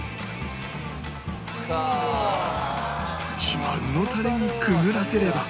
自慢のタレにくぐらせれば